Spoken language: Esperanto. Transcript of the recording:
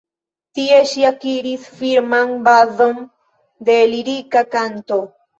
Tie, ŝi akiris firman bazon de lirika kanto.